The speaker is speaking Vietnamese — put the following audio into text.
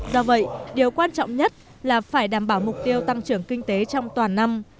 do vậy điều quan trọng nhất là phải đảm bảo mục tiêu tăng trưởng kinh tế trong toàn năm